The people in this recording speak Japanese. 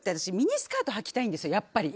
やっぱり。